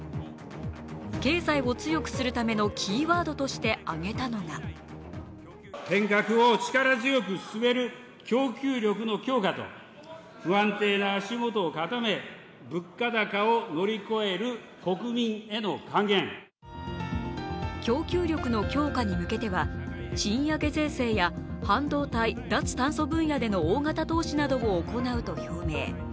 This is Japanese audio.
経済を強くするためのキーワードとして挙げたのが供給力の強化に向けては賃上げ税制や半導体・脱炭素分野での大型投資などを行うと表明。